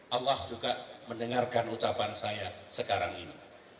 allah juga mendengarkan ucapan saya sekarang ini